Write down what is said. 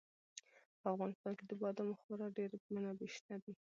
په افغانستان کې د بادامو خورا ډېرې منابع شته دي.